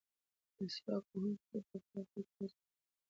مسواک وهونکي ته به په اخرت کې اجر ورکړل شي.